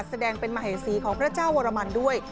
แสดงเป็นมหัยศรีของพระเจ้าวรมันด้วย